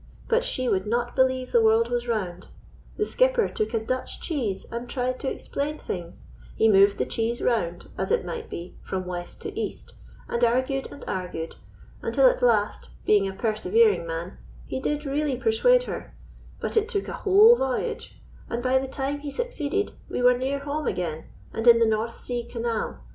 But she would not believe the world was round. The skipper took a Dutch cheese and tried to explain things: he moved the cheese round, as it might be, from west to east, and argued and argued, until at last, being a persevering man, he did really persuade her, but it took a whole voyage, and by the time he succeeded we were near home again, and in the North Sea Canal.